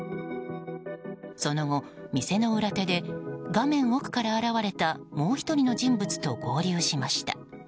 その後、店の裏手で画面奥から現れたもう１人の人物と合流しました。